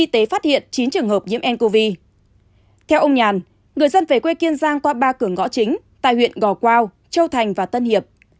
theo ông nhàn người dân về quê kiên giang qua ba cửa ngõ chính tại huyện gò quao châu thành và tân hiệp